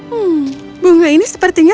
hmm bunga ini seperti apa